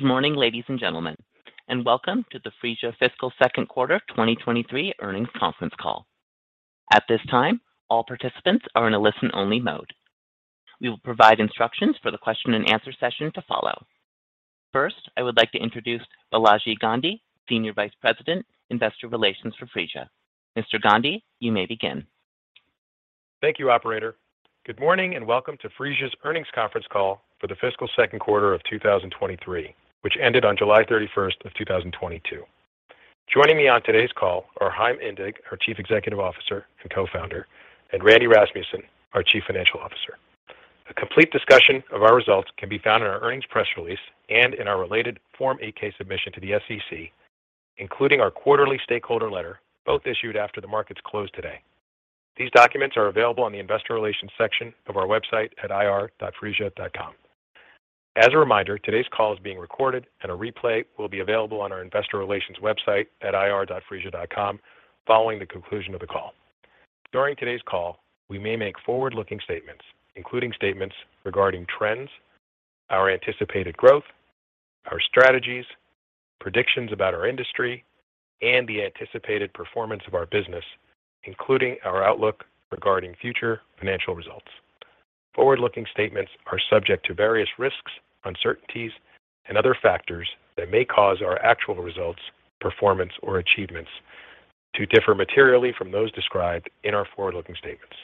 Good morning, ladies and gentlemen, and welcome to the Phreesia fiscal second quarter 2023 earnings conference call. At this time, all participants are in a listen-only mode. We will provide instructions for the Q&A to follow. First, I would like to introduce Balaji Gandhi, Senior Vice President, Investor Relations for Phreesia. Mr. Gandhi, you may begin. Thank you, operator. Good morning, and welcome to Phreesia's earnings conference call for the fiscal second quarter of 2023, which ended on 31 July 2022. Joining me on today's call are Chaim Indig, our Chief Executive Officer and Co-founder, and Randy Rasmussen, our Chief Financial Officer. A complete discussion of our results can be found in our earnings press release and in our related Form 8-K submission to the SEC, including our quarterly stakeholder letter, both issued after the markets closed today. These documents are available on the investor relations section of our website at ir.phreesia.com. As a reminder, today's call is being recorded and a replay will be available on our investor relations website at ir.phreesia.com following the conclusion of the call. During today's call, we may make forward-looking statements, including statements regarding trends, our anticipated growth, our strategies, predictions about our industry, and the anticipated performance of our business, including our outlook regarding future financial results. Forward-looking statements are subject to various risks, uncertainties, and other factors that may cause our actual results, performance, or achievements to differ materially from those described in our forward-looking statements.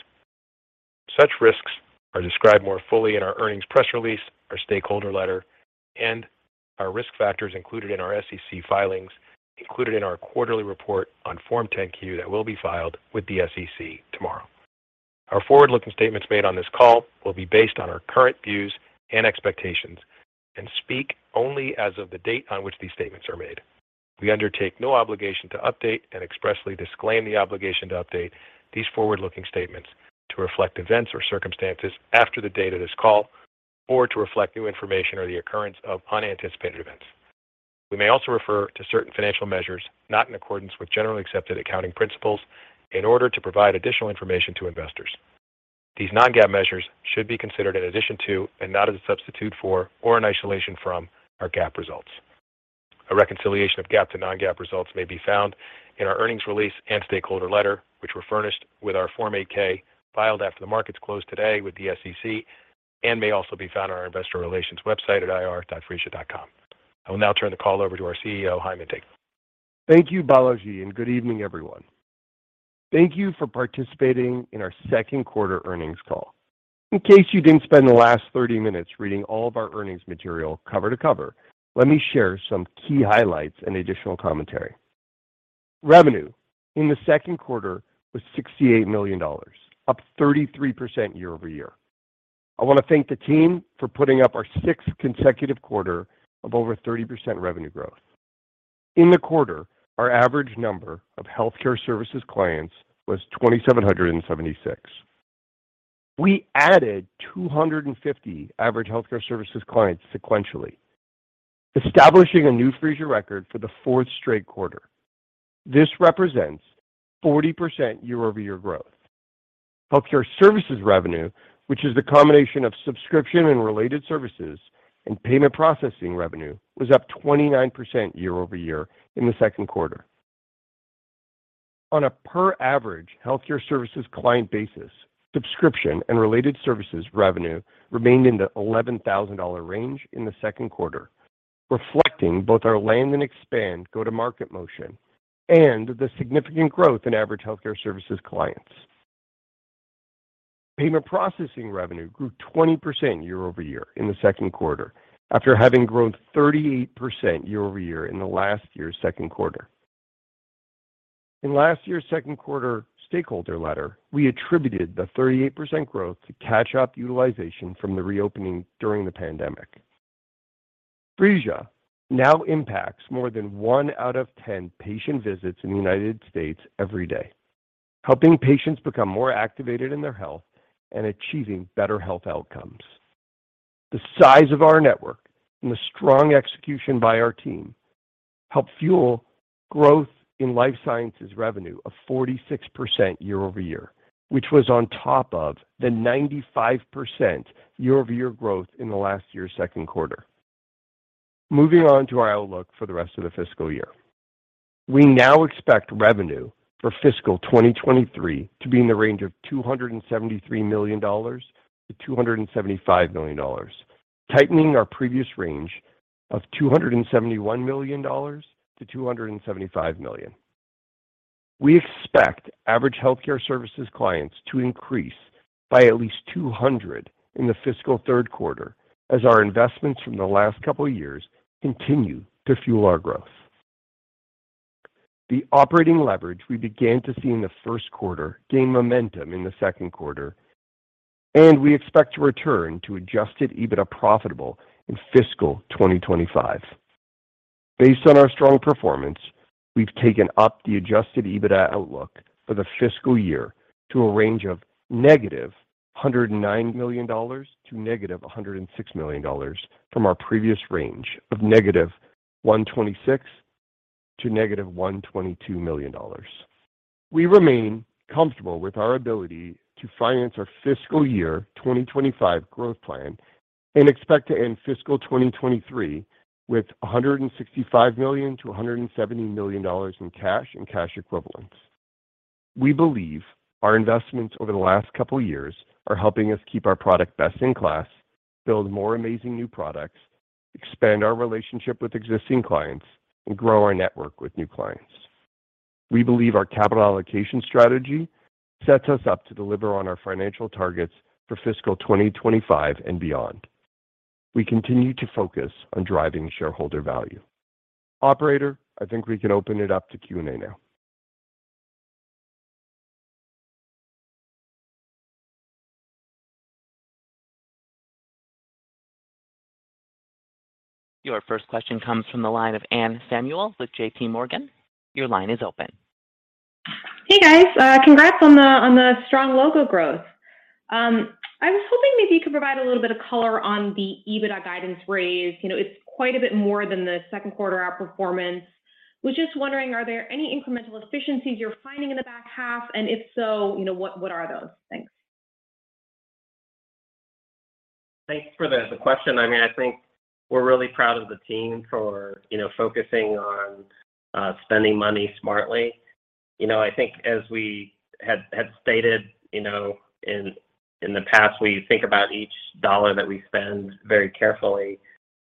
Such risks are described more fully in our earnings press release, our stakeholder letter, and our risk factors included in our SEC filings included in our quarterly report on Form 10-Q that will be filed with the SEC tomorrow. Our forward-looking statements made on this call will be based on our current views and expectations and speak only as of the date on which these statements are made. We undertake no obligation to update and expressly disclaim the obligation to update these forward-looking statements to reflect events or circumstances after the date of this call or to reflect new information or the occurrence of unanticipated events. We may also refer to certain financial measures not in accordance with generally accepted accounting principles in order to provide additional information to investors. These non-GAAP measures should be considered in addition to and not as a substitute for or an isolation from our GAAP results. A reconciliation of GAAP to non-GAAP results may be found in our earnings release and stakeholder letter, which were furnished with our Form 8-K filed after the markets closed today with the SEC and may also be found on our investor relations website at ir.phreesia.com. I will now turn the call over to our CEO, Chaim Indig. Thank you, Balaji, and good evening, everyone. Thank you for participating in our second quarter earnings call. In case you didn't spend the last 30 minutes reading all of our earnings material cover to cover, let me share some key highlights and additional commentary. Revenue in the second quarter was $68 million, up 33% year-over-year. I wanna thank the team for putting up our sixth consecutive quarter of over 30% revenue growth. In the quarter, our average number of healthcare services clients was 2,776. We added 250 average healthcare services clients sequentially, establishing a new Phreesia record for the fourth straight quarter. This represents 40% year-over-year growth. Healthcare services revenue, which is the combination of subscription and related services and payment processing revenue, was up 29% year-over-year in the second quarter. On a per average healthcare services client basis, subscription and related services revenue remained in the $11,000 range in the second quarter, reflecting both our land and expand go-to-market motion and the significant growth in average healthcare services clients. Payment processing revenue grew 20% year-over-year in the second quarter after having grown 38% year-over-year in the last year's second quarter. In last year's second quarter stakeholder letter, we attributed the 38% growth to catch-up utilization from the reopening during the pandemic. Phreesia now impacts more than 1 out of 10 patient visits in the United States every day, helping patients become more activated in their health and achieving better health outcomes. The size of our network and the strong execution by our team helped fuel growth in life sciences revenue of 46% year-over-year, which was on top of the 95% year-over-year growth in the last year's second quarter. Moving on to our outlook for the rest of the fiscal year. We now expect revenue for fiscal 2023 to be in the range of $273 million to $275 million, tightening our previous range of $271 million to $275 million. We expect average healthcare services clients to increase by at least 200 in the fiscal third quarter as our investments from the last couple years continue to fuel our growth. The operating leverage we began to see in the first quarter gained momentum in the second quarter, and we expect to return to Adjusted EBITDA profitable in fiscal 2025. Based on our strong performance, we've taken up the Adjusted EBITDA outlook for the fiscal year to a range of negative $109 million to negative $106 million from our previous range of negative 126 To negative $122 million. We remain comfortable with our ability to finance our fiscal year 2025 growth plan, and expect to end fiscal 2023 with $165 million to $170 million in cash and cash equivalents. We believe our investments over the last couple years are helping us keep our product best in class, build more amazing new products, expand our relationship with existing clients, and grow our network with new clients. We believe our capital allocation strategy sets us up to deliver on our financial targets for fiscal 2025 and beyond. We continue to focus on driving shareholder value. Operator, I think we can open it up to Q&A now. Your first question comes from the line of Anne Samuel with J.P. Morgan. Your line is open. Hey, guys. Congrats on the strong logo growth. I was hoping maybe you could provide a little bit of color on the EBITDA guidance raise. You know, it's quite a bit more than the second quarter outperformance. Was just wondering, are there any incremental efficiencies you're finding in the back half, and if so, you know, what are those? Thanks. Thanks for the question. I mean, I think we're really proud of the team for, you know, focusing on spending money smartly. You know, I think as we had stated, you know, in the past, we think about each dollar that we spend very carefully.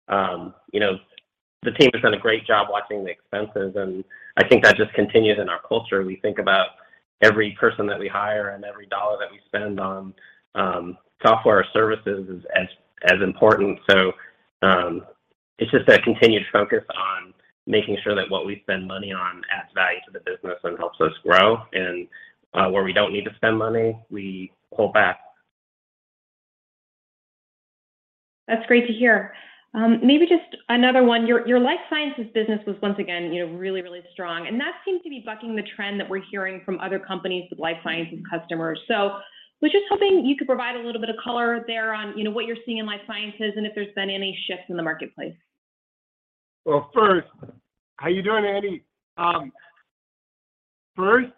You know, the team has done a great job watching the expenses, and I think that just continues in our culture. We think about every person that we hire and every dollar that we spend on software or services as important. It's just a continued focus on making sure that what we spend money on adds value to the business and helps us grow. Where we don't need to spend money, we pull back. That's great to hear. Maybe just another one. Your Life Sciences business was once again, you know, really strong. That seems to be bucking the trend that we're hearing from other companies with Life Sciences customers. Was just hoping you could provide a little bit of color there on, you know, what you're seeing in Life Sciences and if there's been any shifts in the marketplace. Well, first. How you doing, Andy? First,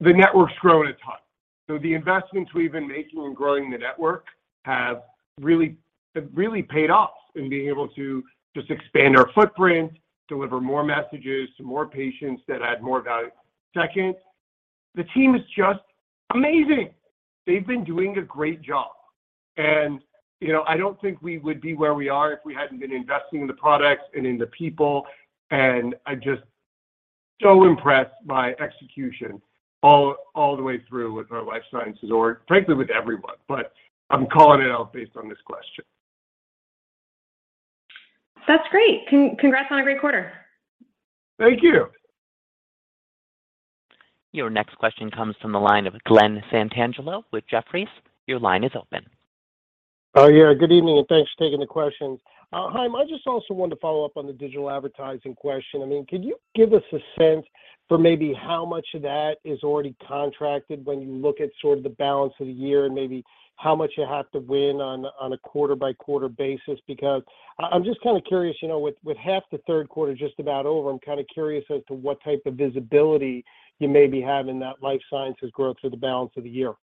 the network's growing a ton. The investments we've been making on growing the network have really paid off in being able to just expand our footprint, deliver more messages to more patients that add more value. Second, the team is just amazing. They've been doing a great job. You know, I don't think we would be where we are if we hadn't been investing in the products and in the people. I'm just so impressed by execution all the way through with our Life Sciences org, frankly, with everyone. I'm calling it out based on this question. That's great. Congrats on a great quarter. Thank you. Your next question comes from the line of Glenn Santangelo with Jefferies. Your line is open. Good evening, and thanks for taking the questions. Chaim, I just also wanted to follow up on the digital advertising question. I mean, could you give us a sense for maybe how much of that is already contracted when you look at sort of the balance of the year and maybe how much you have to win on a quarter-by-quarter basis? Because I'm just kinda curious, you know, with half the third quarter just about over, I'm kinda curious as to what type of visibility you maybe have in that life sciences growth for the balance of the year.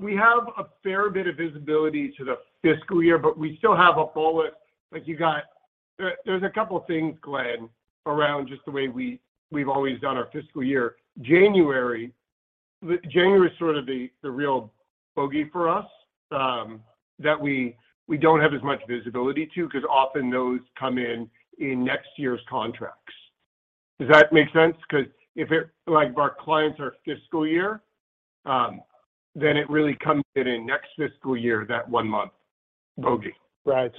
We have a fair bit of visibility to the fiscal year. There's a couple things, Glenn, around just the way we've always done our fiscal year. January is sort of the real bogey for us, that we don't have as much visibility to, 'cause often those come in in next year's contracts. Does that make sense? 'Cause like our clients' are fiscal year, then it really comes in in next fiscal year, that one month bogey. Right.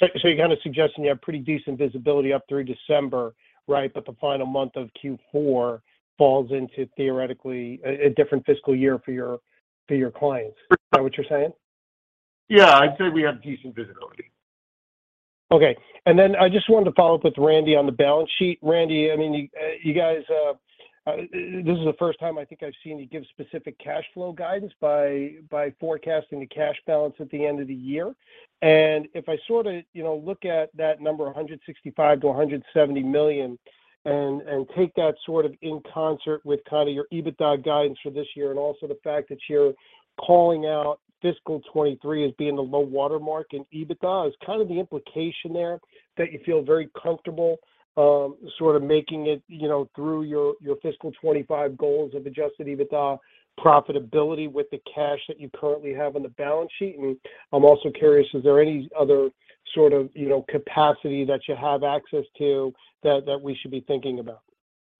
You're kinda suggesting you have pretty decent visibility up through December, right? The final month of Q4 falls into theoretically a different fiscal year for your clients. Is that what you're saying? I'd say we have decent visibility. Okay. Then I just wanted to follow up with Randy on the balance sheet. Randy, I mean, you guys, this is the first time I think I've seen you give specific cash flow guidance by forecasting the cash balance at the end of the year. If I sorta, you know, look at that number, $165 million to $170 million, and take that sort of in concert with kinda your EBITDA guidance for this year and also the fact that you're calling out fiscal 2023 as being the low water mark in EBITDA, is kind of the implication there that you feel very comfortable, sorta making it, you know, through your fiscal 2025 goals of Adjusted EBITDA profitability with the cash that you currently have on the balance sheet? I'm also curious, is there any other sort of, you know, capacity that you have access to that we should be thinking about?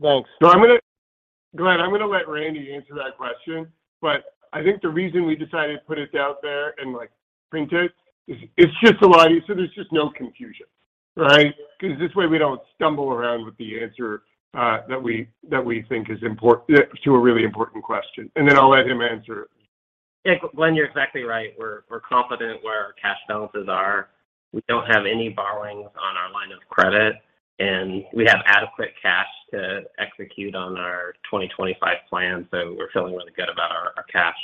Thanks. No, I'm gonna Glenn, I'm gonna let Randy answer that question. I think the reason we decided to put it out there and, like, print it is it's just a lot easier. There's just no confusion, right? 'Cause this way we don't stumble around with the answer that we think is important to a really important question. I'll let him answer. Glenn, you're exactly right. We're confident where our cash balances are. We don't have any borrowings on our line of credit, and we have adequate cash to execute on our 2025 plan, so we're feeling really good about our cash.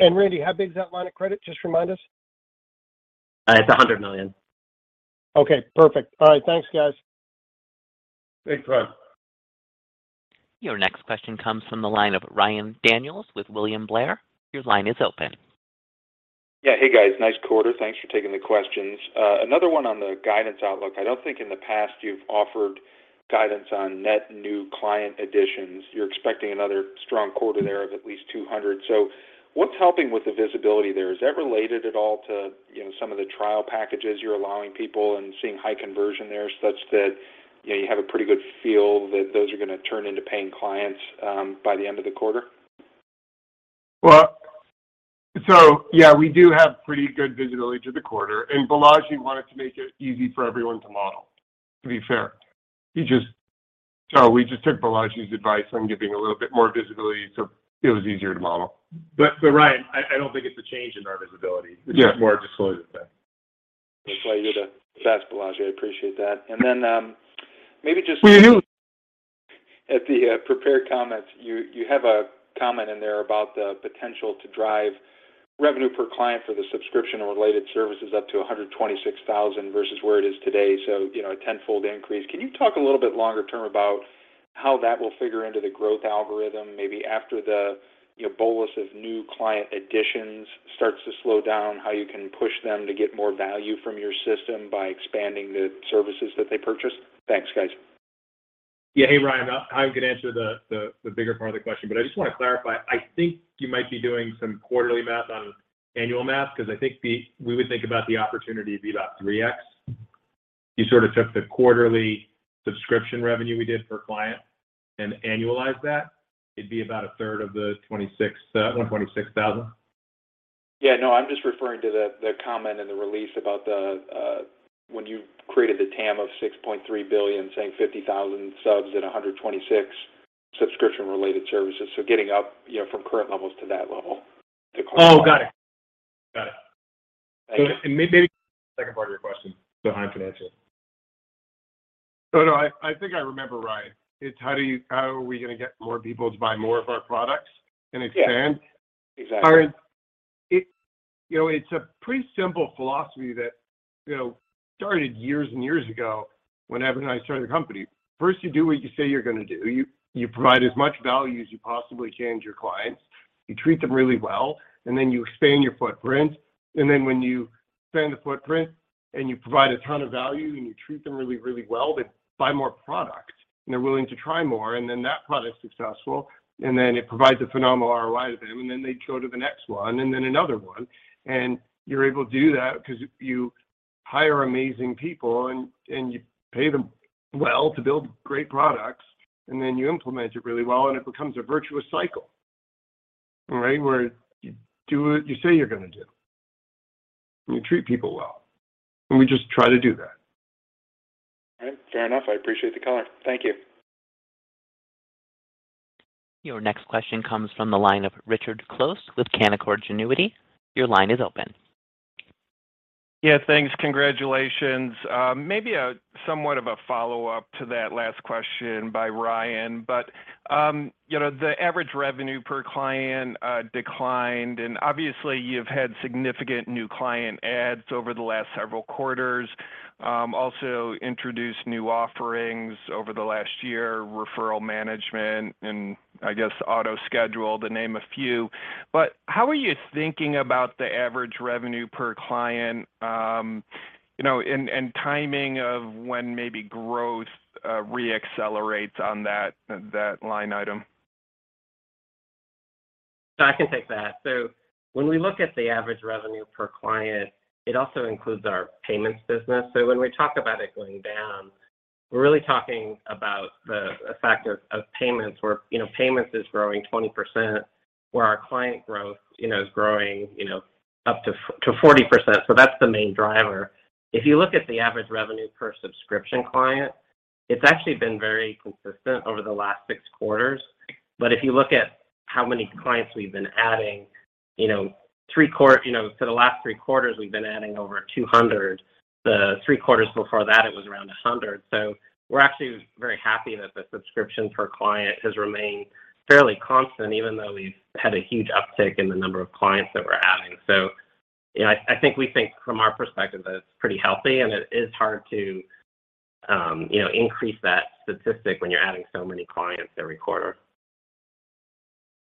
Randy, how big is that line of credit? Just remind us. It's $100 million. Okay, perfect. All right. Thanks, guys. Thanks, Glenn. Your next question comes from the line of Ryan Daniels with William Blair. Your line is open. Hey, guys. Nice quarter. Thanks for taking the questions. Another one on the guidance outlook. I don't think in the past you've offered guidance on net new client additions. You're expecting another strong quarter there of at least 200. So what's helping with the visibility there? Is that related at all to, you know, some of the trial packages you're allowing people and seeing high conversion there such that, you know, you have a pretty good feel that those are gonna turn into paying clients by the end of the quarter? Well, we do have pretty good visibility to the quarter, and Balaji wanted to make it easy for everyone to model, to be fair. We just took Balaji's advice on giving a little bit more visibility, so it was easier to model. Ryan, I don't think it's a change in our visibility. It's just more disclosure thing. That's why you're the best, Balaji. I appreciate that. Maybe just at the prepared comments, you have a comment in there about the potential to drive revenue per client for the subscription and related services up to $126,000 versus where it is today. You know, a tenfold increase. Can you talk a little bit longer term about how that will figure into the growth algorithm, maybe after the, you know, bolus of new client additions starts to slow down, how you can push them to get more value from your system by expanding the services that they purchased? Thanks, guys. Ryan. I can answer the bigger part of the question, but I just wanna clarify. I think you might be doing some quarterly math on annual math because I think we would think about the opportunity to be about 3x. You sort of took the quarterly subscription revenue we did per client and annualized that. It'd be about a third of the 26,000. No. I'm just referring to the comment in the release about when you created the TAM of $6.3 billion, saying 50,000 subs at 126 subscription-related services. Getting up, you know, from current levels to that level to clarify. Got it. Got it. Thank you. Maybe second part of your question to behind financial. I think I remember, Ryan. It's how are we gonna get more people to buy more of our products and expand? Exactly. All right. You know, it's a pretty simple philosophy that, you know, started years and years ago whenever I started the company. First, you do what you say you're gonna do. You provide as much value as you possibly can to your clients. You treat them really well, and then you expand your footprint. And then when you expand the footprint and you provide a ton of value and you treat them really, really well, they buy more product, and they're willing to try more. And then that product's successful, and then it provides a phenomenal ROI to them, and then they go to the next one and then another one. And you're able to do that because you hire amazing people and you pay them well to build great products, and then you implement it really well, and it becomes a virtuous cycle. All right? Where you do what you say you're gonna do. You treat people well. We just try to do that. All right. Fair enough. I appreciate the caller. Thank you. Your next question comes from the line of Richard Close with Canaccord Genuity. Your line is open. Thanks. Congratulations. Maybe a somewhat of a follow-up to that last question by Ryan. You know, the average revenue per client declined, and obviously, you've had significant new client adds over the last several quarters. Also introduced new offerings over the last year, referral management and I guess Appointment Accelerator to name a few. How are you thinking about the average revenue per client, you know, and timing of when maybe growth reaccelerates on that line item? I can take that. When we look at the average revenue per client, it also includes our payments business. When we talk about it going down, we're really talking about the effect of payments where, you know, payments is growing 20%, where our client growth, you know, is growing, you know, up to 40%. That's the main driver. If you look at the average revenue per subscription client, it's actually been very consistent over the last six quarters. If you look at how many clients we've been adding, you know, for the last three quarters, we've been adding over 200. The three quarters before that, it was around 100. We're actually very happy that the subscription per client has remained fairly constant, even though we've had a huge uptick in the number of clients that we're adding. You know, I think we think from our perspective that it's pretty healthy, and it is hard to, you know, increase that statistic when you're adding so many clients every quarter.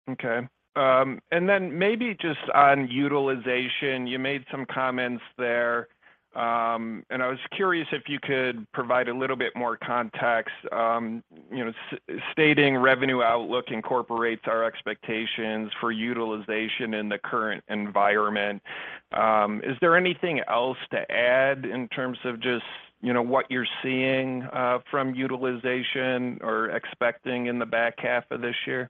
Okay. Maybe just on utilization, you made some comments there, and I was curious if you could provide a little bit more context, you know, stating revenue outlook incorporates our expectations for utilization in the current environment. Is there anything else to add in terms of just, you know, what you're seeing from utilization or expecting in the back half of this year?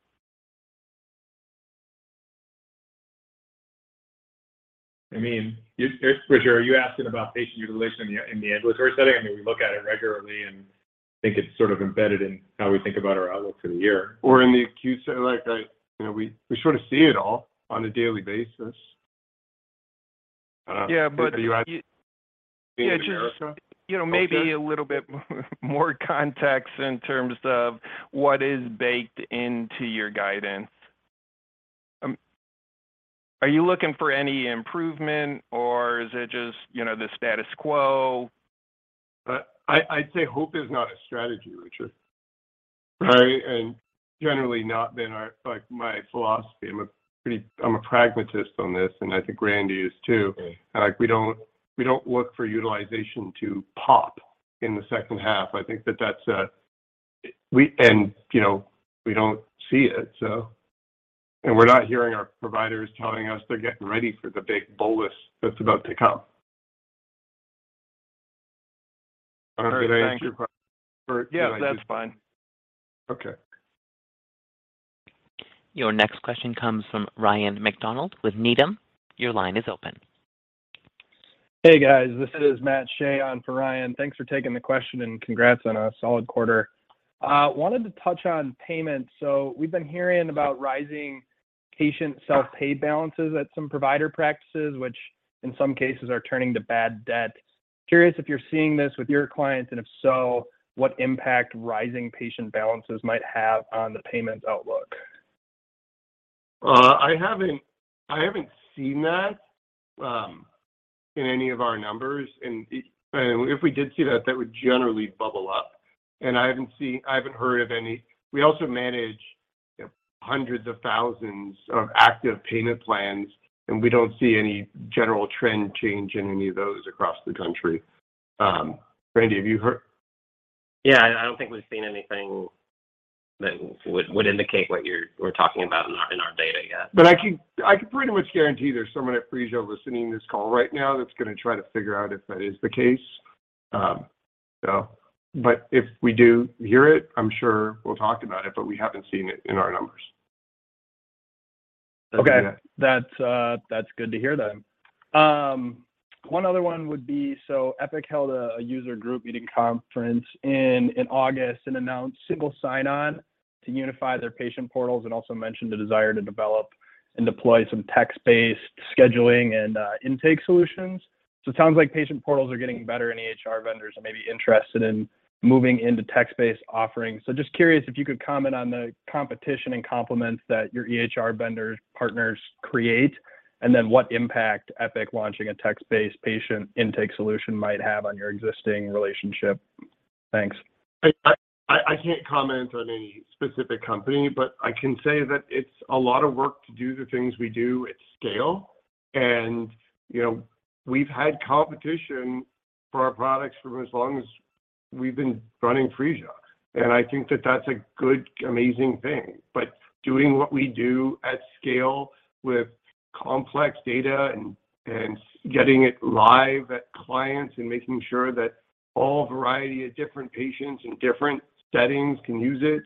I mean, it's Richard, are you asking about patient utilization in the ambulatory setting? I mean, we look at it regularly and think it's sort of embedded in how we think about our outlook for the year. In the acute care, like, you know, we sort of see it all on a daily basis. Are you asking me in America? Okay. Just, you know, maybe a little bit more context in terms of what is baked into your guidance. Are you looking for any improvement, or is it just, you know, the status quo? I'd say hope is not a strategy, Richard. Right? Generally not been our like, my philosophy. I'm a pretty pragmatist on this, and I think Randy is too. Okay. Like, we don't look for utilization to pop in the second half. I think that's a. You know, we don't see it, so. We're not hearing our providers telling us they're getting ready for the big bolus that's about to come. I don't know. Did I answer your question? Or did I just- That's fine. Okay. Your next question comes from Ryan McDonald with Needham. Your line is open. Hey, guys. This is Matt Shea on for Ryan. Thanks for taking the question, and congrats on a solid quarter. Wanted to touch on payments. We've been hearing about rising patient self-pay balances at some provider practices, which in some cases are turning to bad debt. Curious if you're seeing this with your clients, and if so, what impact rising patient balances might have on the payments outlook. I haven't seen that in any of our numbers, and if we did see that would generally bubble up, and I haven't heard of any. We also manage hundreds of thousands of active payment plans, and we don't see any general trend change in any of those across the country. Randy, have you heard? I don't think we've seen anything that would indicate what we're talking about in our data yet. I can pretty much guarantee there's someone at Phreesia listening to this call right now that's gonna try to figure out if that is the case. If we do hear it, I'm sure we'll talk about it, but we haven't seen it in our numbers. Okay. That's good to hear then. One other one would be, Epic held a user group meeting conference in August and announced single sign-on to unify their patient portals and also mentioned the desire to develop and deploy some text-based scheduling and intake solutions. It sounds like patient portals are getting better, and EHR vendors are maybe interested in moving into text-based offerings. Just curious if you could comment on the competition and complements that your EHR vendors, partners create and then what impact Epic launching a text-based patient intake solution might have on your existing relationship. Thanks. I can't comment on any specific company, but I can say that it's a lot of work to do the things we do at scale, and, you know, we've had competition for our products for as long as we've been running Phreesia. I think that that's a good, amazing thing. Doing what we do at scale with complex data and getting it live at clients and making sure that all variety of different patients in different settings can use it,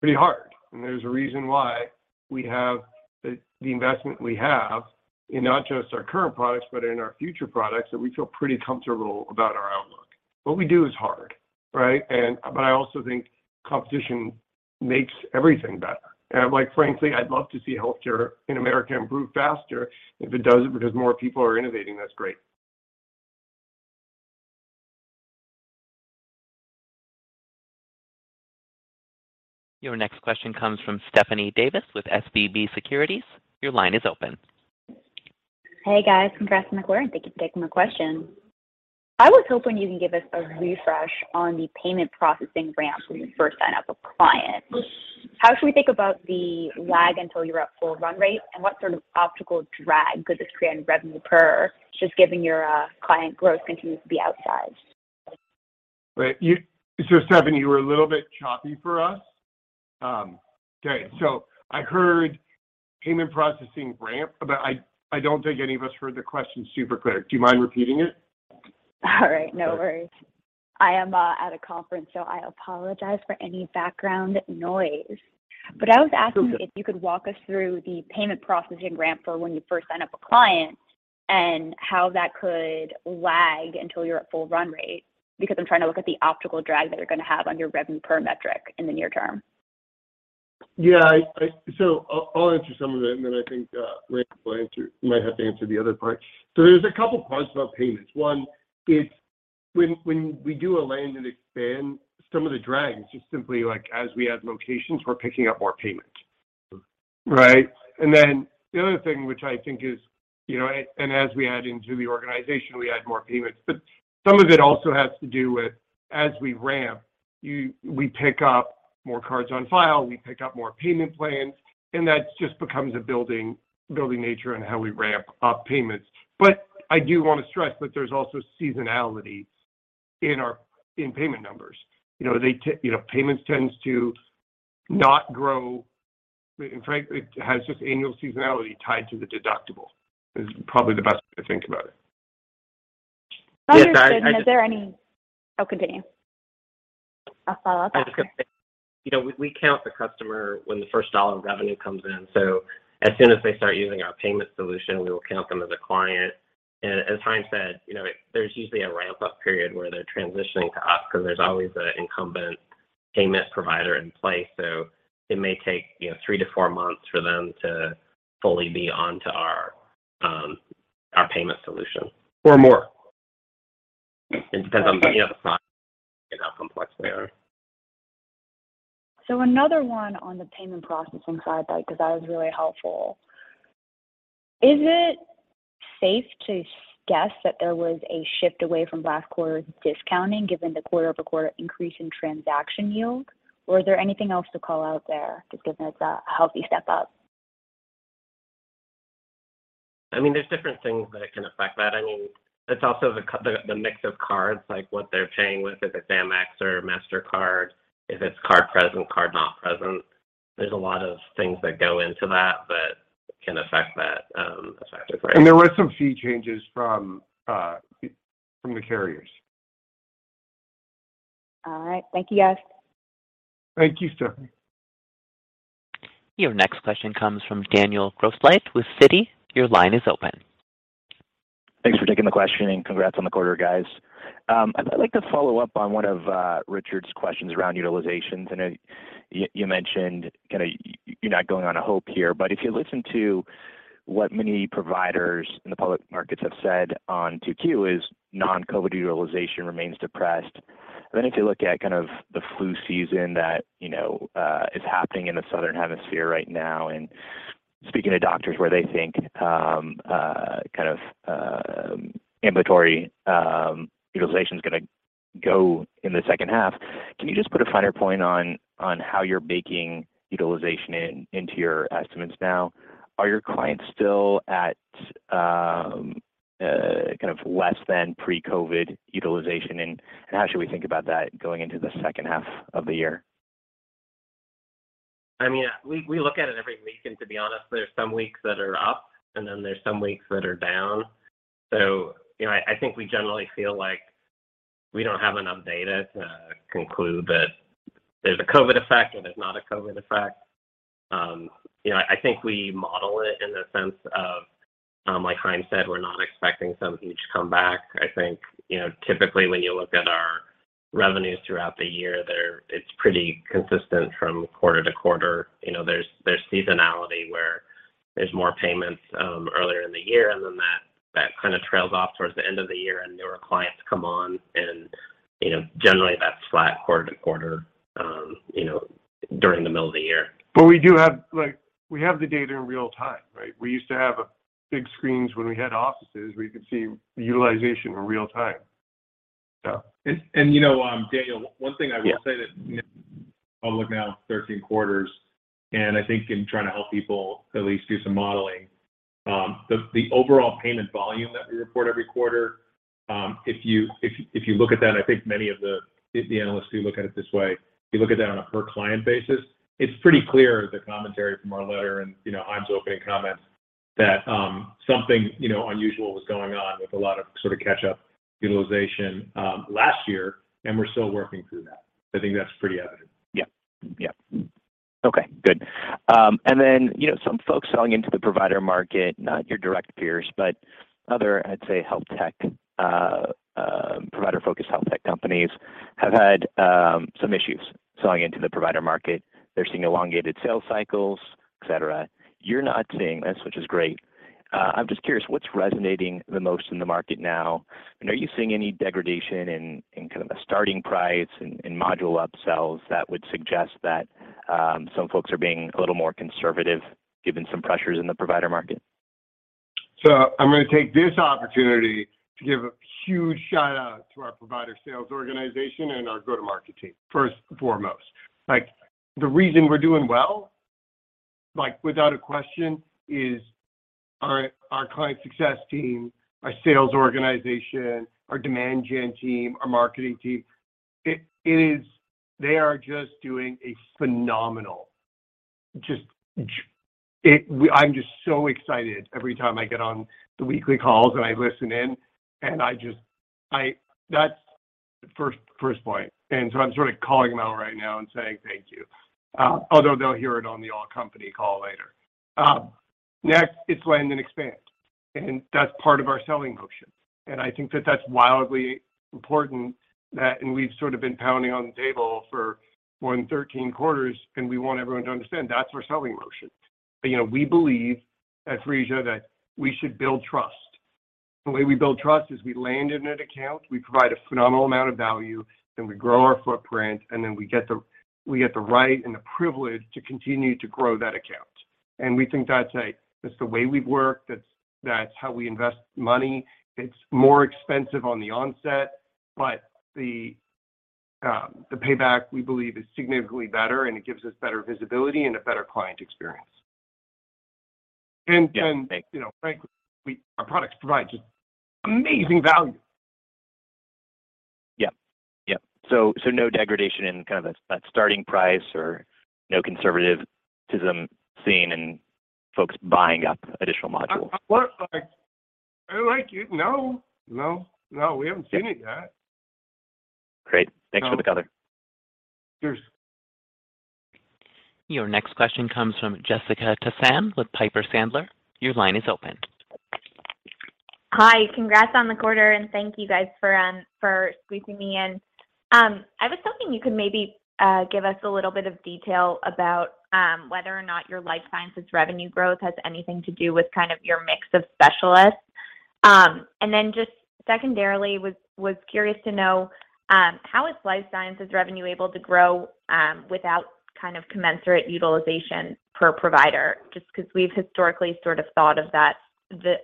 pretty hard. There's a reason why we have the investment we have in not just our current products but in our future products, that we feel pretty comfortable about our outlook. What we do is hard, right? But I also think competition makes everything better. Like, frankly, I'd love to see healthcare in America improve faster. If it does it because more people are innovating, that's great. Your next question comes from Stephanie Davis with SVB Securities. Your line is open. Guys. From Grasant MacLaury. Thank you for taking my question. I was hoping you can give us a refresh on the payment processing ramp when you first sign up a client. How should we think about the lag until you're at full run rate, and what sort of optical drag could this create in revenue per, just given your client growth continues to be outside? Wait. Stephanie, you were a little bit choppy for us. Okay. I heard payment processing ramp, but I don't think any of us heard the question super clear. Do you mind repeating it? All right. No worries. Okay. I am at a conference, so I apologize for any background noise. It's okay. I was asking if you could walk us through the payment processing ramp for when you first sign up a client and how that could lag until you're at full run rate because I'm trying to look at the optical drag that you're gonna have on your revenue per metric in the near term. I'll answer some of it, and then I think Randy will answer, might have to answer the other part. There's a couple parts about payments. One, it's when we do a land and expand, some of the drag is just simply, like, as we add locations, we're picking up more payment. Right? Then the other thing which I think is, you know, as we add into the organization, we add more payments. Some of it also has to do with as we ramp, we pick up more cards on file, we pick up more payment plans, and that just becomes a building nature on how we ramp up payments. I do wanna stress that there's also seasonality in our payment numbers. Payments tends to not grow, and frankly, it has just annual seasonality tied to the deductible is probably the best way to think about it. Yes. I just. Understood. Oh, continue. I'll follow up after. I was just gonna say, you know, we count the customer when the first dollar of revenue comes in. So as soon as they start using our payment solution, we will count them as a client. As Ryan said, you know, there's usually a ramp-up period where they're transitioning to us because there's always an incumbent. Payment provider in place, so it may take, you know, 3-4 months for them to fully be onto our payment solution or more. It depends on, you know, the size and how complex they are. Another one on the payment processing side, like, 'cause that was really helpful. Is it safe to guess that there was a shift away from last quarter's discounting given the quarter-over-quarter increase in transaction yield, or is there anything else to call out there just giving us a healthy step up? I mean, there's different things that can affect that. I mean, it's also the mix of cards, like what they're paying with, if it's Amex or Mastercard, if it's card present, card not present. There's a lot of things that go into that that can affect that effective rate. There were some fee changes from the carriers. All right. Thank you, guys. Thank you, Stephanie. Your next question comes from Daniel Grosslight with Citi. Your line is open. Thanks for taking the question, and congrats on the quarter, guys. I'd like to follow up on one of Richard's questions around utilizations. I know you mentioned kinda you're not going on a hope here, but if you listen to what many providers in the public markets have said on 2Q's, non-COVID utilization remains depressed. If you look at kind of the flu season that you know is happening in the southern hemisphere right now and speaking to doctors where they think kind of inventory utilization's gonna go in the second half, can you just put a finer point on how you're baking utilization into your estimates now? Are your clients still at kind of less than pre-COVID utilization, and how should we think about that going into the second half of the year? I mean, we look at it every week. To be honest, there's some weeks that are up, and then there's some weeks that are down. You know, I think we generally feel like we don't have enough data to conclude that there's a COVID effect or there's not a COVID effect. You know, I think we model it in the sense of, like Chaim said, we're not expecting some huge comeback. I think, you know, typically when you look at our revenues throughout the year, it's pretty consistent from quarter to quarter. You know, there's seasonality where there's more payments, earlier in the year, and then that kind of trails off towards the end of the year and newer clients come on and, you know, generally that's flat quarter to quarter, during the middle of the year. We do have, like, we have the data in real time, right? We used to have big screens when we had offices where you could see the utilization in real time, so. Daniel, one thing I will say that, you know, public now 13 quarters, and I think in trying to help people at least do some modeling, the overall payment volume that we report every quarter, if you look at that, and I think many of the analysts do look at it this way, if you look at that on a per client basis, it's pretty clear the commentary from our letter and, you know, Chaim's opening comments that, something, you know, unusual was going on with a lot of sort of catch-up utilization, last year, and we're still working through that. I think that's pretty evident. Okay, good. You know, some folks selling into the provider market, not your direct peers, but other, I'd say, health tech, provider-focused health tech companies have had some issues selling into the provider market. They're seeing elongated sales cycles, et cetera. You're not seeing this, which is great. I'm just curious, what's resonating the most in the market now? And are you seeing any degradation in kind of the starting price and module upsells that would suggest that some folks are being a little more conservative given some pressures in the provider market? I'm gonna take this opportunity to give a huge shout-out to our provider sales organization and our go-to-market team, first and foremost. Like, the reason we're doing well, like without a question, is our client success team, our sales organization, our demand gen team, our marketing team. They are just doing a phenomenal job. I'm just so excited every time I get on the weekly calls, and I listen in. That's the first point. I'm sort of calling them out right now and saying thank you, although they'll hear it on the all-company call later. Next, it's land and expand, and that's part of our selling motion. I think that's wildly important, and we've sort of been pounding on the table for more than 13 quarters, and we want everyone to understand that's our selling motion, that, you know, we believe at Phreesia that we should build trust. The way we build trust is we land in an account, we provide a phenomenal amount of value, then we grow our footprint, and then we get the right and the privilege to continue to grow that account. We think that's the way we work. That's how we invest money. It's more expensive on the onset, but the payback, we believe, is significantly better, and it gives us better visibility and a better client experience. Thanks. You know, frankly, we, our products provide just amazing value. No degradation in kind of that starting price or no conservatism seen in folks buying up additional modules? Well, like, no. We haven't seen any of that. Great. Thanks for the caller. Cheers. Your next question comes from Jessica Tassan with Piper Sandler. Your line is open. Hi. Congrats on the quarter, and thank you guys for squeezing me in. I was hoping you could maybe give us a little bit of detail about whether or not your life sciences revenue growth has anything to do with kind of your mix of specialists. Just secondarily, was curious to know how life sciences revenue is able to grow without kind of commensurate utilization per provider. Just 'cause we've historically sort of thought of the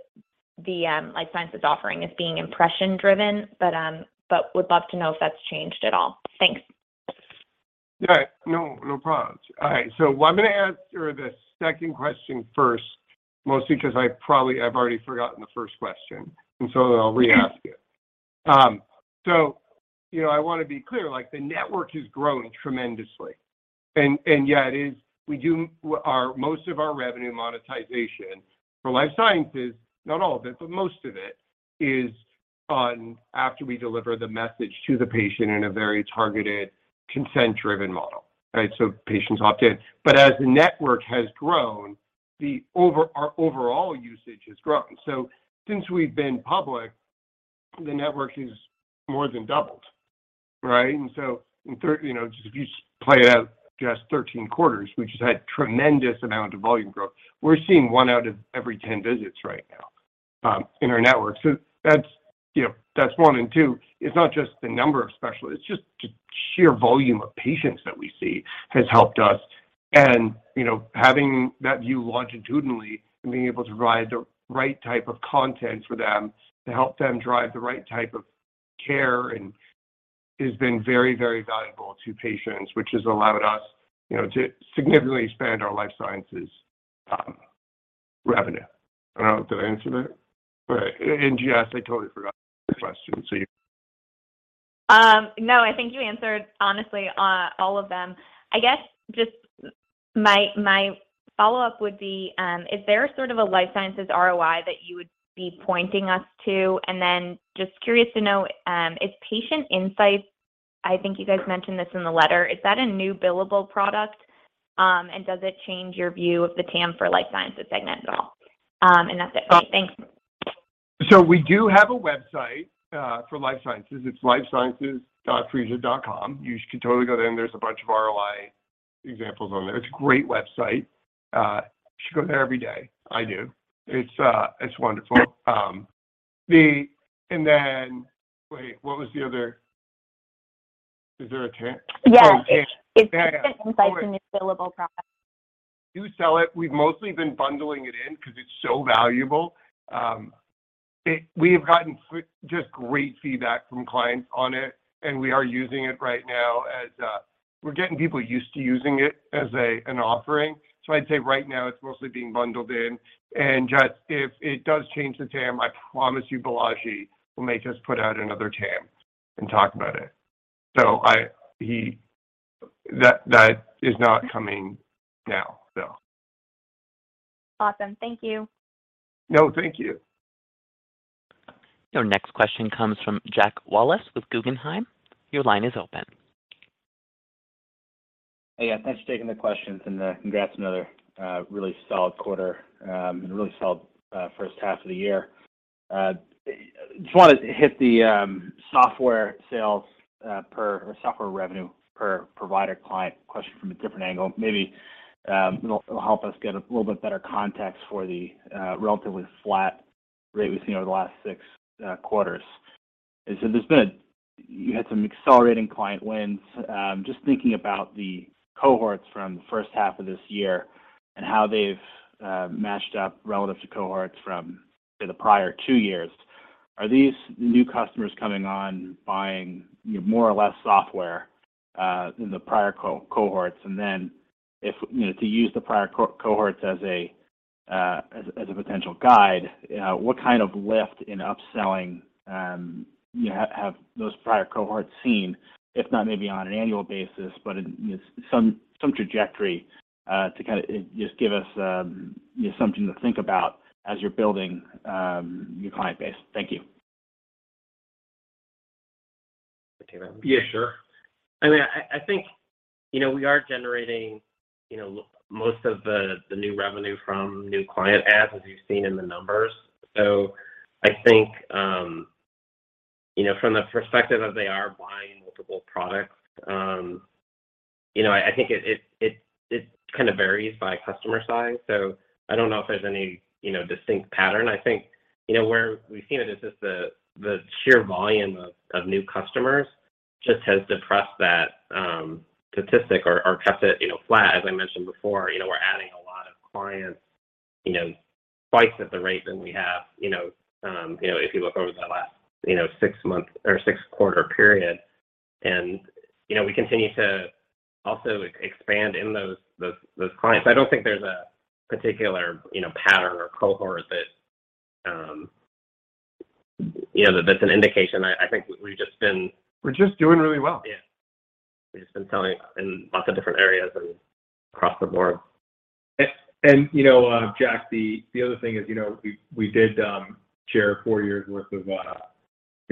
life sciences offering as being impression-driven, but would love to know if that's changed at all. Thanks. No, no problem. All right. I'm gonna answer the second question first, mostly 'cause I probably have already forgotten the first question, and so then I'll re-ask it. You know, I wanna be clear, like the network has grown tremendously. We do most of our revenue monetization for life sciences, not all of it, but most of it, is on after we deliver the message to the patient in a very targeted, consent-driven model, right? Patients opt in. But as the network has grown, our overall usage has grown. Since we've been public, the network has more than doubled, right? You know, if you play it out, just 13 quarters, we've just had tremendous amount of volume growth. We're seeing one out of every 10 visits right now, in our network. That's, you know, that's one and two. It's not just the number of specialists, just the sheer volume of patients that we see has helped us. You know, having that view longitudinally and being able to provide the right type of content for them to help them drive the right type of care and has been very, very valuable to patients, which has allowed us, you know, to significantly expand our life sciences revenue. I don't know. Did I answer that? Yes, I totally forgot the first question, so you- No, I think you answered honestly all of them. I guess just my follow-up would be, is there sort of a Life Sciences ROI that you would be pointing us to? Just curious to know, is Patient Insights, I think you guys mentioned this in the letter, is that a new billable product, and does it change your view of the TAM for Life Sciences segment at all? That's it for me. Thanks. We do have a website for life sciences. It's lifesciences.phreesia.com. You can totally go there, and there's a bunch of ROI examples on there. It's a great website. You should go there every day. I do. It's wonderful. Is there a third? Is Patient Insights a new billable product? We do sell it. We've mostly been bundling it in because it's so valuable. We have gotten quick, just great feedback from clients on it, and we are using it right now as, we're getting people used to using it as a, an offering. I'd say right now it's mostly being bundled in. Just if it does change the TAM, I promise you Balaji will make us put out another TAM and talk about it. That is not coming now, though. Awesome. Thank you. No, thank you. Your next question comes from Jack Wallace with Guggenheim. Your line is open. Hey, guys. Thanks for taking the questions and congrats on another really solid quarter and a really solid first half of the year. Just wanted to hit the software sales or software revenue per provider client question from a different angle. Maybe it'll help us get a little bit better context for the relatively flat rate we've seen over the last 6 quarters. You had some accelerating client wins. Just thinking about the cohorts from the first half of this year and how they've matched up relative to cohorts from the prior 2 years, are these new customers coming on buying more or less software than the prior cohorts? If you know to use the prior cohorts as a potential guide, what kind of lift in upselling you have those prior cohorts seen, if not maybe on an annual basis, but in you know some trajectory, to kind of just give us something to think about as you're building your client base. Thank you. You want me to take that one? Sure. I mean, I think, you know, we are generating, you know, most of the new revenue from new client adds, as you've seen in the numbers. I think, you know, from the perspective of they are buying multiple products, you know, I think it kind of varies by customer size. I don't know if there's any, you know, distinct pattern. I think, you know, where we've seen it is just the sheer volume of new customers just has depressed that statistic or kept it, you know, flat. As I mentioned before, you know, we're adding a lot of clients, you know, twice at the rate than we have, you know, if you look over the last, you know, six-month or six-quarter period. You know, we continue to also expand in those clients. I don't think there's a particular, you know, pattern or cohort that, you know, that's an indication. I think we've just been- We're just doing really well. We've just been selling in lots of different areas and across the board. Jack, the other thing is, you know, we did share four years worth of, you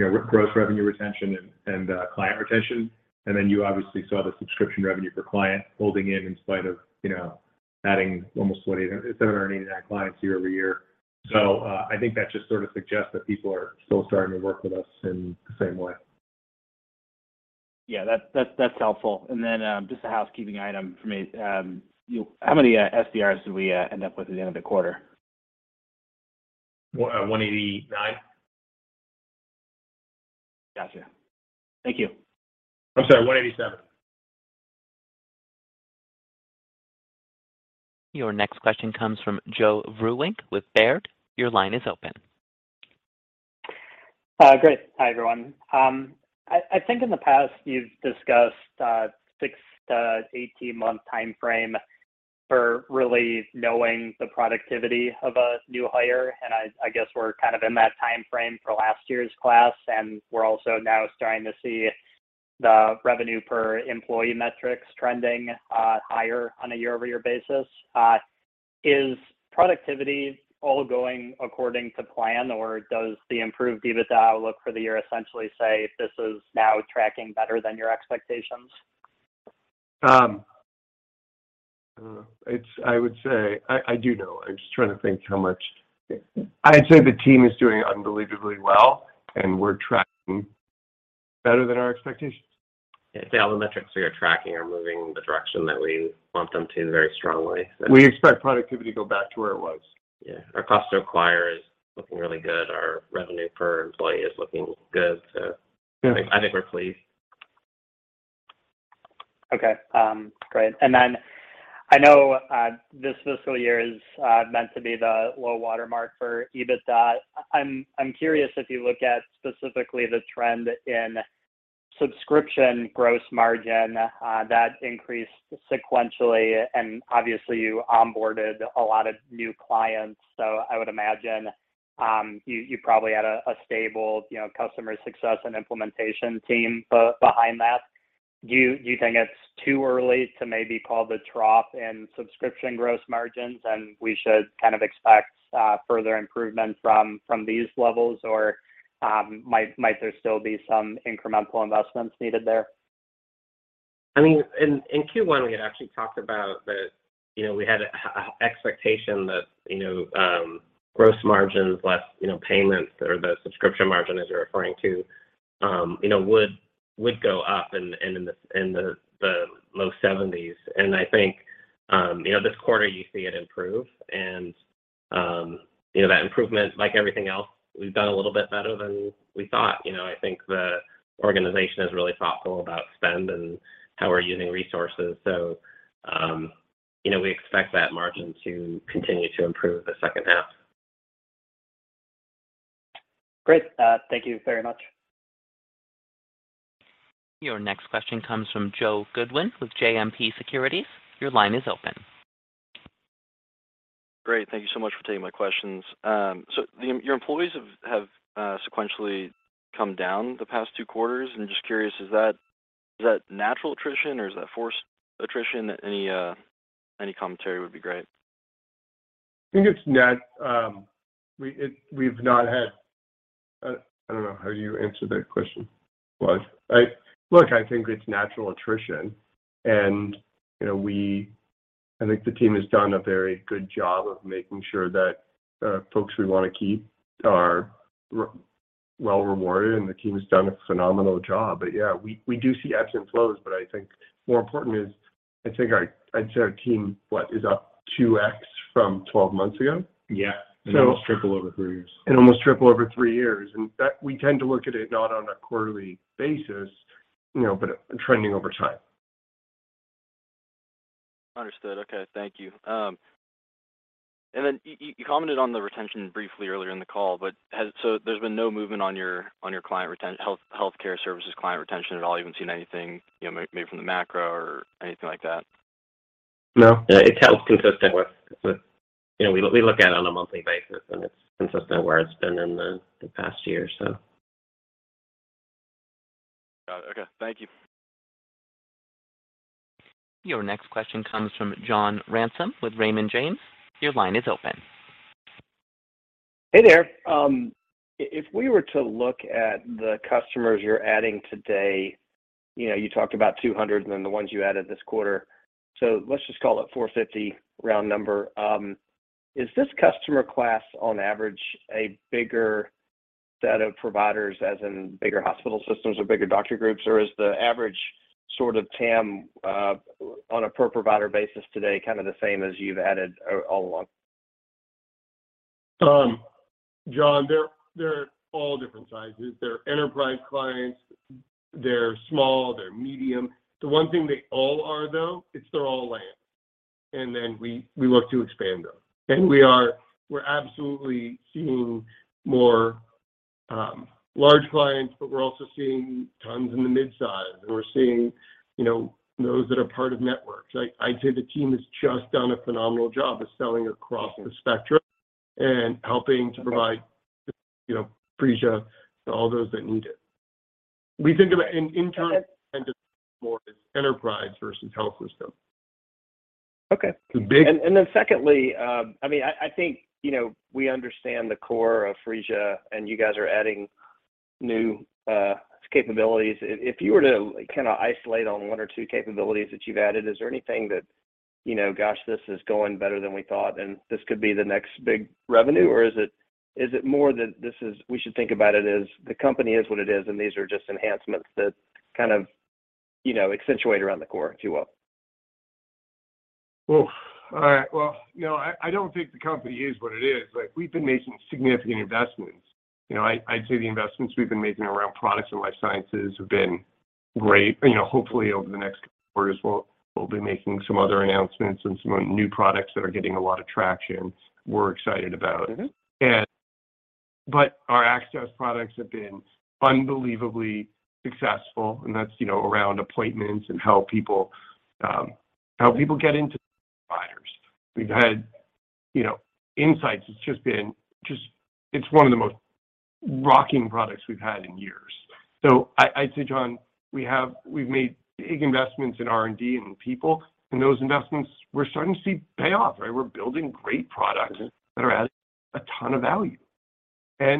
know, gross revenue retention and client retention. Then you obviously saw the subscription revenue per client holding in spite of, you know, adding almost 2,789 clients year-over-year. I think that just sort of suggests that people are still starting to work with us in the same way. That's helpful. Just a housekeeping item for me. How many SDRs did we end up with at the end of the quarter? 189. Gotcha. Thank you. I'm sorry, 187. Your next question comes from Joe Vruwink with Baird. Your line is open. Great. Hi, everyone. I think in the past you've discussed 6-18-month timeframe for really knowing the productivity of a new hire, and I guess we're kind of in that timeframe for last year's class, and we're also now starting to see the revenue per employee metrics trending higher on a year-over-year basis. Is productivity all going according to plan, or does the improved EBITDA outlook for the year essentially say this is now tracking better than your expectations? I would say I do know. I'm just trying to think how much. I'd say the team is doing unbelievably well, and we're tracking better than our expectations. I'd say all the metrics we are tracking are moving the direction that we want them to very strongly. We expect productivity to go back to where it was. Our cost to acquire is looking really good. Our revenue per employee is looking good. I think we're pleased. Okay. Great. Then I know this fiscal year is meant to be the low water mark for EBITDA. I'm curious if you look at specifically the trend in subscription gross margin that increased sequentially, and obviously you onboarded a lot of new clients, so I would imagine you probably had a stable, you know, customer success and implementation team behind that. Do you think it's too early to maybe call the trough in subscription gross margins, and we should kind of expect further improvement from these levels? Or might there still be some incremental investments needed there? I mean, in Q1 we had actually talked about that, you know, we had expectation that, you know, gross margins less, you know, payments or the subscription margin as you're referring to, you know, would go up in the low 70s%. I think, you know, this quarter you see it improve. You know, that improvement, like everything else, we've done a little bit better than we thought. You know, I think the organization is really thoughtful about spend and how we're using resources, so, you know, we expect that margin to continue to improve the second half. Great. Thank you very much. Your next question comes from Joe Goodwin with JMP Securities. Your line is open. Great. Thank you so much for taking my questions. Your employees have sequentially come down the past two quarters, and I'm just curious, is that natural attrition or is that forced attrition? Any commentary would be great. I don't know how you answered that question, Bud. Look, I think it's natural attrition and, you know, I think the team has done a very good job of making sure that folks we wanna keep are well rewarded, and the team has done a phenomenal job. We do see ebbs and flows, but I think more important is, I think I'd say our team, what? is up 2x from 12 months ago. Almost triple over three years. Almost triple over three years. That, we tend to look at it not on a quarterly basis, you know, but trending over time. Understood. Okay. Thank you. You commented on the retention briefly earlier in the call, but there's been no movement on your client healthcare services client retention at all? You haven't seen anything, you know, maybe from the macro or anything like that? No. It's held consistent with. You know, we look at it on a monthly basis, and it's consistent where it's been in the past year, so. Got it. Okay. Thank you. Your next question comes from John Ransom with Raymond James. Your line is open. Hey there. If we were to look at the customers you're adding today, you know, you talked about 200 and then the ones you added this quarter, so let's just call it 450, round number. Is this customer class on average a bigger set of providers, as in bigger hospital systems or bigger doctor groups? Or is the average sort of TAM, on a per provider basis today kinda the same as you've added all along? John, they're all different sizes. They're enterprise clients. They're small. They're medium. The one thing they all are though is they're all land, and then we look to expand them. We're absolutely seeing more large clients, but we're also seeing tons in the midsize, and we're seeing, you know, those that are part of networks. I'd say the team has just done a phenomenal job of selling across the spectrum and helping to provide, you know, Phreesia to all those that need it. We think of it in terms and more as enterprise versus health system. Okay. Secondly, I mean, I think, you know, we understand the core of Phreesia, and you guys are adding new capabilities. If you were to kinda isolate on one or two capabilities that you've added, is there anything that, you know, gosh, this is going better than we thought and this could be the next big revenue? Or is it more that we should think about it as the company is what it is, and these are just enhancements that kind of, you know, accentuate around the core, if you will? All right. Well, you know, I don't think the company is what it is. Like, we've been making significant investments. You know, I'd say the investments we've been making around products and life sciences have been great. You know, hopefully over the next quarters we'll be making some other announcements and some new products that are getting a lot of traction we're excited about. Our access products have been unbelievably successful, and that's, you know, around appointments and how people get into providers. We've had, you know, insights. It's just been one of the most rocking products we've had in years. I'd say, John, we've made big investments in R&D and in people, and those investments we're starting to see pay off, right? We're building great products. That are adding a ton of value. I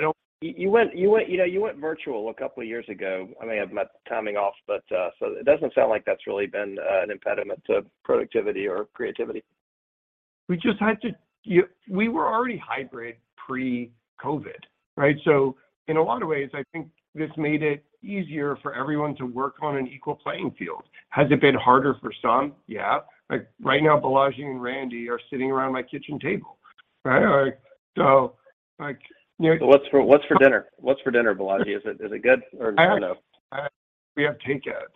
don't- You went, virtual a couple of years ago. I may have my timing off, but so it doesn't sound like that's really been an impediment to productivity or creativity. We were already hybrid pre-COVID, right? In a lot of ways, I think this made it easier for everyone to work on an equal playing field. Has it been harder for some? Like right now, Balaji and Randy are sitting around my kitchen table, right? Like, so, like, you know. What's for dinner? What's for dinner, Balaji? Is it good or no? We have takeout.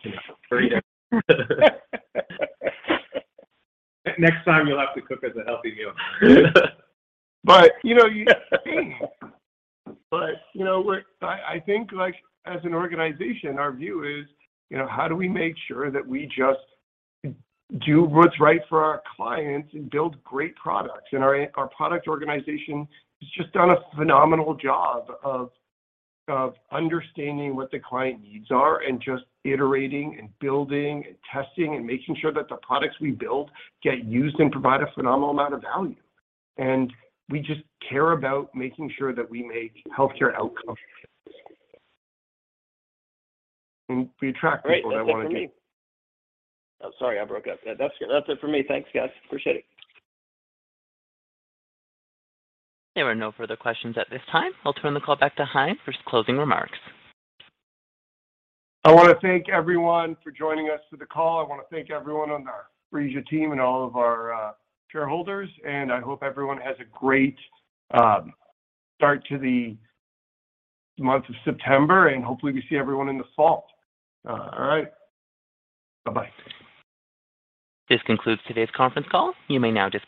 Burrito. Next time you'll have to cook us a healthy meal. Look, I think, like, as an organization, our view is, you know, how do we make sure that we just do what's right for our clients and build great products? Our product organization has just done a phenomenal job of understanding what the client needs are and just iterating and building and testing and making sure that the products we build get used and provide a phenomenal amount of value. We just care about making sure that we make healthcare outcomes. We attract people that wanna make- Great. That's it for me. Oh, sorry, I broke up. That's it for me. Thanks, guys. Appreciate it. There are no further questions at this time. I'll turn the call back to Chaim for his closing remarks. I wanna thank everyone for joining us to the call. I wanna thank everyone on our Phreesia team and all of our shareholders, and I hope everyone has a great start to the month of September, and hopefully we see everyone in the fall. All right. Bye-bye. This concludes today's conference call. You may now disconnect.